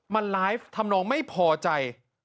มันไลฟ์ทำนองไม่พอใจ